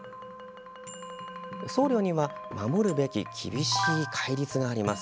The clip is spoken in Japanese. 僧侶には守るべき厳しい戒律があります。